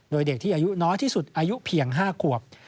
โดยเด็กที่อายุน้อยที่สุดอายุเพียง๕ขวบ